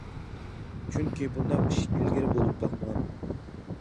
چۈنكى بۇنداق ئىش ئىلگىرى بولۇپ باقمىغان.